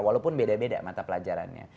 walaupun beda beda mata pelajarannya